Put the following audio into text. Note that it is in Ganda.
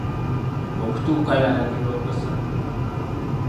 Okutuukayo alagirwa okwessa mu kkubo.